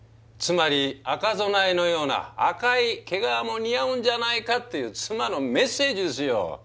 つまり赤備えのような赤い毛皮も似合うんじゃないかっていう妻のメッセージですよ。